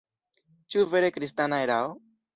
Ĉu vere kristana erao?